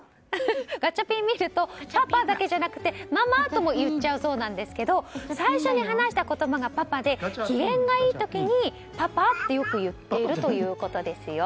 ガチャピンを見るとパパだけじゃなくてママとも言っちゃうそうなんですけど最初に話した言葉がパパで機嫌がいい時にパパってよく言っているということですよ。